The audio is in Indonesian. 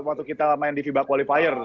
waktu kita main di fiba qualifier